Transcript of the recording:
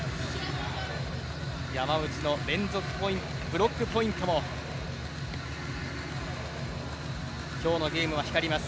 山内のブロックポイントも今日のゲームは光ります